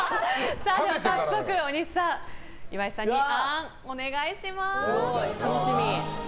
早速、大西さん岩井さんにあーんをお願いします。